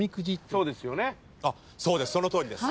そうですそのとおりです。